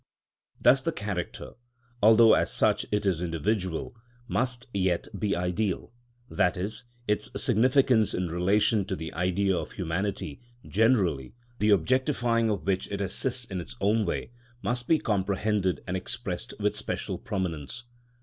Thus the character, although as such it is individual, must yet be Ideal, that is, its significance in relation to the Idea of humanity generally (the objectifying of which it assists in its own way) must be comprehended and expressed with special prominence.